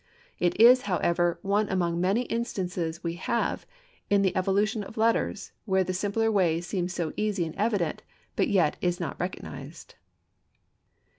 It is, however, one among the many instances we have in the evolution of letters, where the simpler way seems so easy and evident, but yet is not recognized.